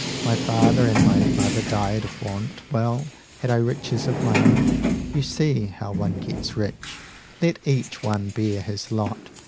My father and my mother died of want. 250 Well, had I riches of my own? You see How one gets rich! Let each one bear his lot.